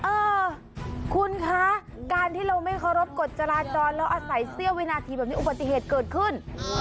เออคุณคะการที่เราไม่เคารพกฎจราจรแล้วอาศัยเสื้อวินาทีแบบนี้อุบัติเหตุเกิดขึ้น